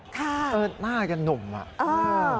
ค่ะค่ะเออหน้ากันหนุ่มอ่ะเออ